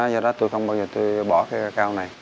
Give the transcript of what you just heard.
do đó tôi không bao giờ tôi bỏ cây cao này